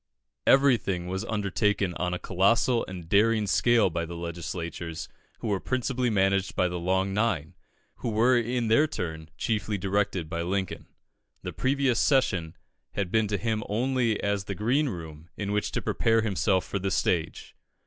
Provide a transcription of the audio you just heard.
Everything was undertaken on a colossal and daring scale by the legislators, who were principally managed by the Long Nine, who were in their turn chiefly directed by Lincoln. The previous session had been to him only as the green room in which to prepare himself for the stage.